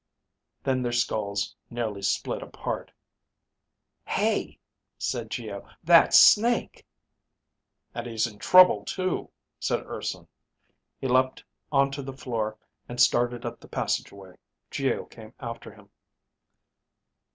Then their skulls nearly split apart. "Hey," said Geo, "that's Snake." "And he's in trouble too," said Urson. He leaped onto the floor and started up the passageway. Geo came after him.